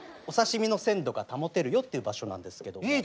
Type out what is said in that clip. お刺身の鮮度が保てるよっていう場所なんですけども。